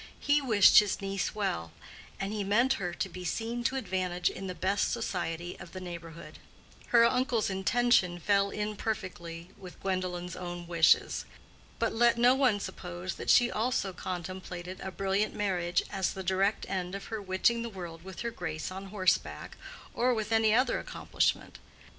He wished his niece well, and he meant her to be seen to advantage in the best society of the neighborhood. Her uncle's intention fell in perfectly with Gwendolen's own wishes. But let no one suppose that she also contemplated a brilliant marriage as the direct end of her witching the world with her grace on horseback, or with any other accomplishment.